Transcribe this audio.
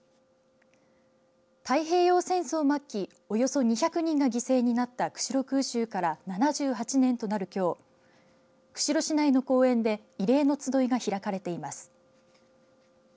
太平洋戦争末期およそ２００人が犠牲になった釧路空襲から７８年となるきょう釧路市内の公園で慰霊の集いが開かれています。